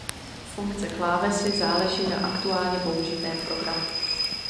Funkce klávesy záleží na aktuálně použitém programu.